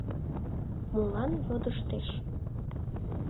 Молан йодыштеш?